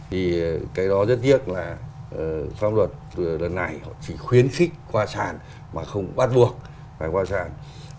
thì cái đó rất tiếc là pháp luật lần này họ chỉ khuyến khích qua sản mà không bắt buộc phải qua sản